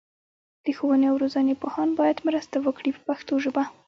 د ښوونې او روزنې پوهان باید مرسته وکړي په پښتو ژبه.